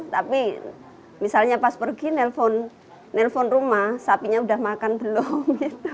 tapi misalnya pas pergi nelpon rumah sapinya sudah makan belum